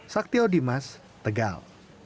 saktio dimas tegal